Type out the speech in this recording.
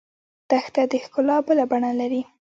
دښته د ښکلا بله بڼه لري.